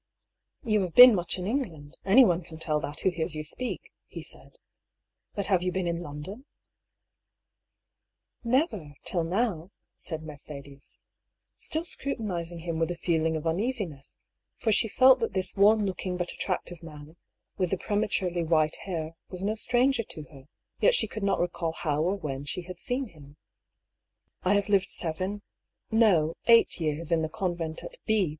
" You have been much in England ; anyone can tell that who hears you speak," he said. " But have yott been in London ?" "Never, till now," said Mercedes, still scrutinising THE BEGINNING OF THE SEQUEL. 179 him with a feeling of uneasiness, for she felt that this worn looking but attractive man, with the prematurely white hair, was no stranger to her, yet she could not recall how or when she had seen him. " I have lived seven — no, eight years in the convent at B